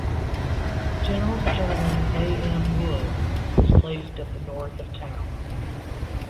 General Sterling A. M. Wood was placed at the north of town.